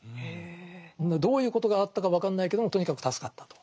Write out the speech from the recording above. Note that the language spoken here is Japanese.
どういうことがあったか分かんないけどもとにかく助かったと。